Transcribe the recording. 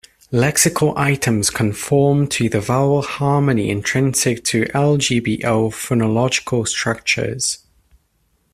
Lexical items conform to the vowel harmony intrinsic to Igbo phonological structures.